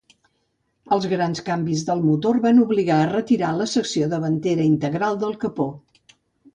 Els grans canvis del motor van obligar a retirar la secció davantera integral del capó.